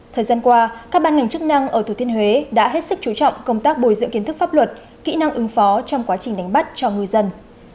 thời gian qua các ban ngành chức năng ở thừa thiên huế đã hết sức chú trọng công tác bồi dưỡng kiến thức pháp luật kỹ năng ứng phó trong quá trình đánh bắt cho ngư dân